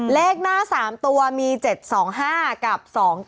เลขหน้า๓ตัวมี๗๒๕กับ๒๗